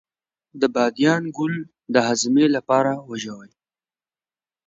د بادیان ګل د هاضمې لپاره وژويئ